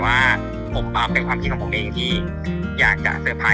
ว่าแล้วเชี่ยววันนี้แปลก